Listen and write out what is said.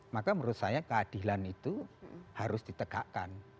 maka menurut saya keadilan itu harus ditegakkan